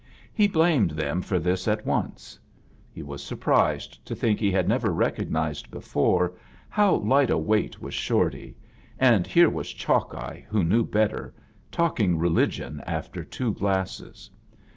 He blamed them for this at once. He was surprised to think he had never recognized before how light a weight was Shorty, and here was Chalk eye, who knew better, talking religion after two glasses.